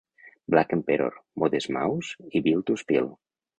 Black Emperor, Modest Mouse i Built to Spill.